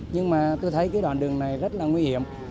nhưng mà tôi thấy cái đoạn đường này rất là nguy hiểm